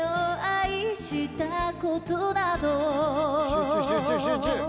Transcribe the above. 集中集中集中。